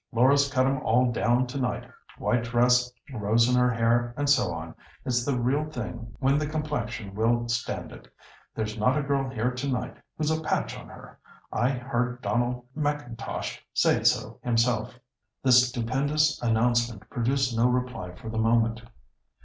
Laura's cut 'em all down to night. White dress, rose in her hair, and so on. It's the real thing when the complexion will stand it. There's not a girl here to night who's a patch on her. I heard Donald M'Intosh say so himself." This stupendous announcement produced no reply for the moment.